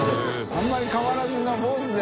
あんまり変わらずのぼうずで。